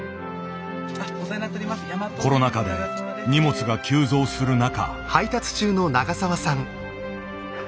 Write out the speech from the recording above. コロナ禍で荷物が急増する中。